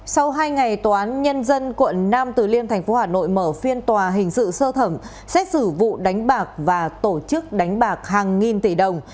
sau hai ngày tòa án nhân dân quận nam từ liêm tp hà nội mở phiên tòa hình sự sơ thẩm xét xử vụ đánh bạc và tổ chức đánh bạc hàng nghìn tỷ đồng